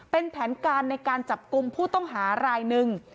เป็นแผนการในการจับกลุ่มผู้ต้องหารายหนึ่ง